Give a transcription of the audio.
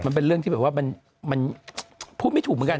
มันเป็นเรื่องที่แบบว่ามันพูดไม่ถูกเหมือนกัน